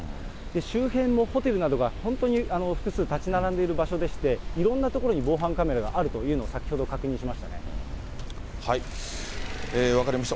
周辺のホテルなどが本当に複数建ち並んでいる場所でして、いろんな所に防犯カメラがあるというのを、先ほど確認しましたね。